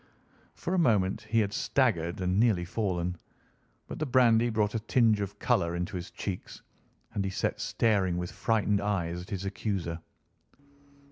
For a moment he had staggered and nearly fallen, but the brandy brought a tinge of colour into his cheeks, and he sat staring with frightened eyes at his accuser.